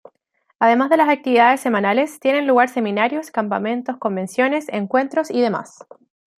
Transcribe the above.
Además de las actividades semanales, tienen lugar seminarios, campamentos, convenciones, encuentros y demás.